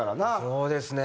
そうですね。